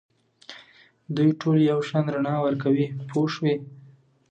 دوی ټول یو شان رڼا ورکوي پوه شوې!.